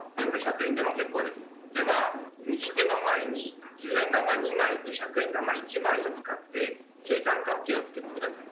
では右手の前に１０円玉２枚と１００円玉１枚を使って正三角形を作って下さい。